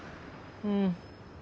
うん。